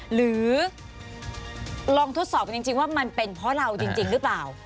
หรือลองทดสอบกันจริงว่ามันเป็นเพราะเราจริงหรือเปล่า